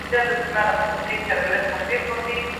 تقاضا د خلکو اړتیاوې څرګندوي.